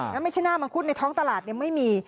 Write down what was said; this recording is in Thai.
แล้วไม่ใช่หน้ามังคุดในท้องตลาดไม่มี